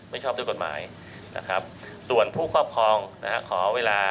ไม่ชอบด้วยกฎหมายส่วนผู้ครอบครองขอเวลา